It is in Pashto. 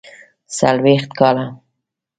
څلوېښت کاله.